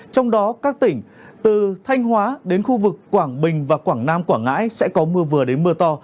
trong đó các tỉnh từ thanh hóa đến khu vực quảng bình và quảng nam quảng ngãi sẽ có mưa vừa đến mưa to